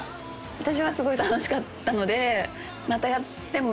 私はすごい楽しかったのでまたやってもいいかなって。